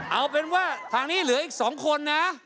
เอาเป็นว่าทางนี้เหลืออีก๒คนนะ